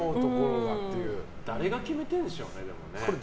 誰が決めてるんでしょうね。